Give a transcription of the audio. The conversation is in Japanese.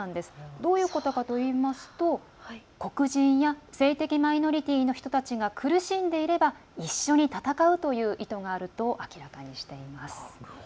どういうことかといいますと黒人や性的マイノリティーの人たちが苦しんでいれば一緒に闘うという意図があると明らかにしています。